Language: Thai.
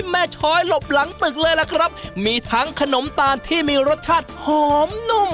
ช้อยหลบหลังตึกเลยล่ะครับมีทั้งขนมตาลที่มีรสชาติหอมนุ่ม